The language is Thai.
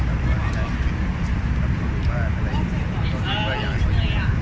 ถ้าของคนขยับ